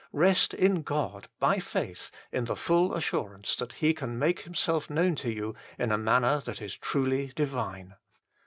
Rest in God by faith in the full assurance that He can make Himself known to you in a manner that is truly divine.